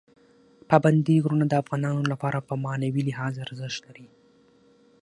پابندی غرونه د افغانانو لپاره په معنوي لحاظ ارزښت لري.